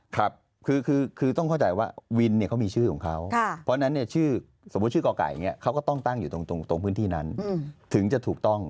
ครับคือต้องเข้าใจว่าวินเนี่ยเขามีชื่อของเขาเพราะฉะนั้นเนี่ยชื่อสมมุติชื่อก่อไก่อย่างนี้เขาก็ต้องตั้งอยู่ตรงพื้นที่นั้นถึงจะถูกต้อง